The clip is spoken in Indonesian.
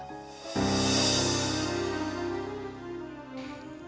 kayaknya dia punya perasaan lain terhadap kamu tahu enggak